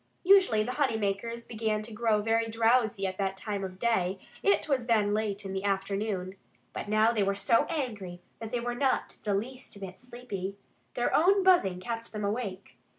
Usually the honey makers began to grow very drowsy at that time of day (it was then late in the afternoon). But now they were so angry that they were not the least bit sleepy. Their own buzzing kept them awake.